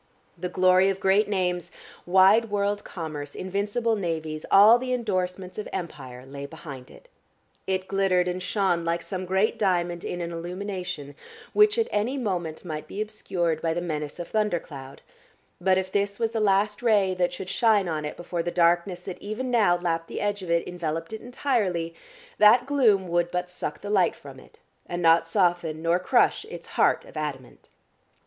The glory of great names, wide world commerce, invincible navies, all the endorsements of Empire, lay behind it. It glittered and shone like some great diamond in an illumination which at any moment might be obscured by the menace of thundercloud, but, if this was the last ray that should shine on it before the darkness that even now lapped the edge of it enveloped it entirely, that gloom would but suck the light from it, and not soften nor crush its heart of adamant....